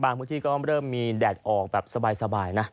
พื้นที่ก็เริ่มมีแดดออกแบบสบายนะ